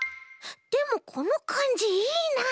でもこのかんじいいな。